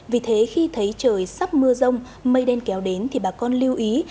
vì thế khi thấy trời sắp mưa rông mây đen kéo đến thì bà con lưu ý